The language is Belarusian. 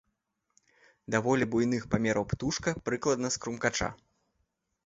Даволі буйных памераў птушка, прыкладна з крумкача.